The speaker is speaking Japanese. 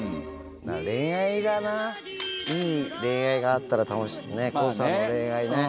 恋愛がな、いい恋愛があったら楽しい、康さんの恋愛ね。